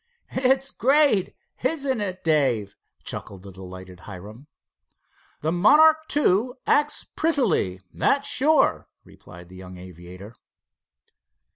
"It's great, isn't it, Dave?" chuckled the delighted Hiram. "The Monarch II acts prettily, that's sure," replied the young aviator.